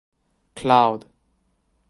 Cloud.